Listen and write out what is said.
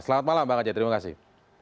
selamat malam bang aceh terima kasih